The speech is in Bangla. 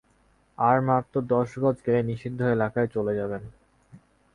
আর মাত্র দশ গজ গেলেই নিষিদ্ধ এলাকায় চলে যাবেন।